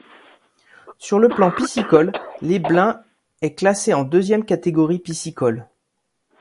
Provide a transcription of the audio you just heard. Sur le plan piscicole, les Blains est classé en deuxième catégorie piscicole.